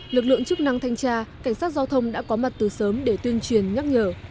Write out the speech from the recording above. lực lượng chức năng thanh tra cảnh sát giao thông đã có mặt từ sớm để tuyên truyền nhắc nhở